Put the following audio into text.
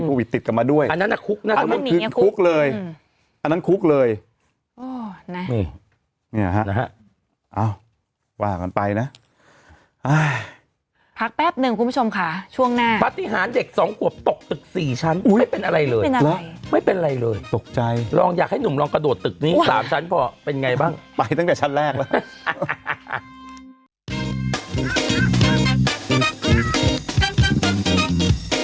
แป๊บหนึ่งคุณผู้ชมค่ะช่วงหน้าพัฒนิหารเด็กสองขวบตกตึกสี่ชั้นไม่เป็นอะไรเลยไม่เป็นอะไรเลยตกใจลองอยากให้หนุ่มลองกระโดดตึกนี้สามชั้นพอเป็นไงบ้างไปตั้งแต่ชั้นแรกแล้ว